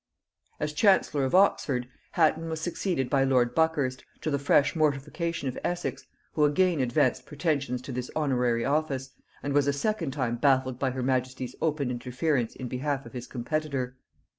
As chancellor of Oxford, Hatton was succeeded by lord Buckhurst, to the fresh mortification of Essex, who again advanced pretensions to this honorary office, and was a second time baffled by her majesty's open interference in behalf of his competitor.